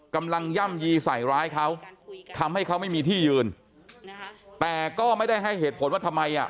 ย่ำยีใส่ร้ายเขาทำให้เขาไม่มีที่ยืนแต่ก็ไม่ได้ให้เหตุผลว่าทำไมอ่ะ